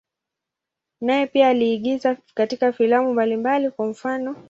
Naye pia aliigiza katika filamu mbalimbali, kwa mfano.